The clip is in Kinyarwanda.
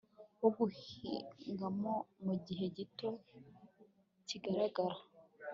wo guhingamo mu gihe gito kigaragara